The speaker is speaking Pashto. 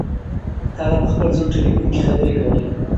هغه په خپل زوړ تلیفون کې خبرې کولې.